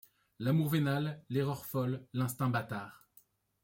L’amour vénal, l’erreur folle, l’instinct bâtard ;